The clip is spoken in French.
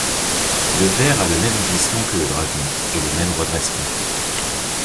Le ver a le même glissement que le dragon, et le même redressement.